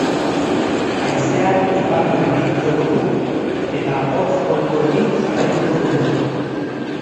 Haizeak iparraldetik joko du eta hotz kontuekin jarraituko dugu.